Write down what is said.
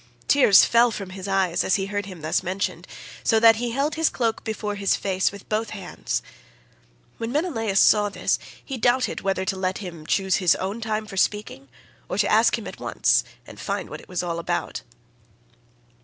Tears fell from his eyes as he heard him thus mentioned, so that he held his cloak before his face with both hands. When Menelaus saw this he doubted whether to let him choose his own time for speaking, or to ask him at once and find what it was all about.